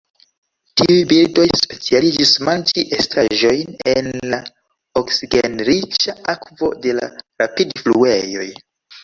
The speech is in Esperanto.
Tiuj birdoj specialiĝis manĝi estaĵojn en la oksigenriĉa akvo de la rapidfluejoj.